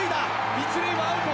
１塁はアウト。